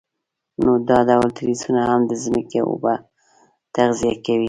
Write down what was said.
نو دا ډول تریسونه هم د ځمکې اوبه تغذیه کوي.